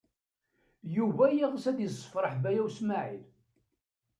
Yuba yeɣs ad yessefṛeḥ Baya U Smaɛil.